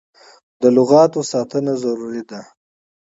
د لغتانو ساتنه ضروري ده.